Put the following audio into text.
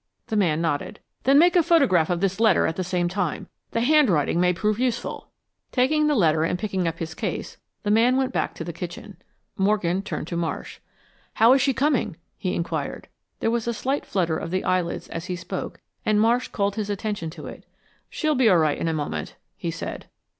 The man nodded. "Then make a photograph of this letter at the same time. The handwriting may prove useful." Taking the letter and picking up his case, the man went back to the kitchen. Morgan turned to Marsh. "How is she coming on?" he inquired. There was a slight flutter of the eyelids as he spoke and Marsh called his attention to it. "She will be all right in a moment," he said.